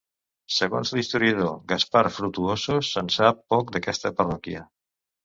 Segons l'historiador Gaspar Frutuoso, se'n sap poc d'aquesta parròquia.